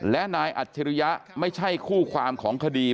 และนายอัจฉริยะไม่ใช่คู่ความของคดี